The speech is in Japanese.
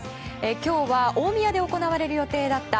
今日は、大宮で行われる予定だった